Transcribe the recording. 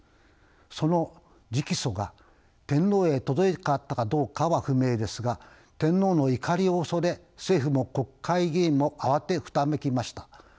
この直訴が天皇へ届いたかどうかは不明ですが天皇の怒りを恐れ政府も国会議員も慌てふためきました。